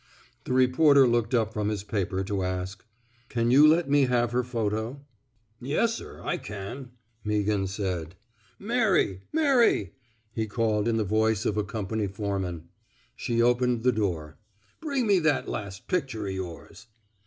The reporter looked up from his paper to ask: *> Can you let me have her photo! " 290 NOT FOR PUBLICATION Yes^r; I can,*' Meaghan said. Mary! ... Mary I *' he called, in the voice of a com pany foreman. She opened the door. Bring me that last picture o* yours.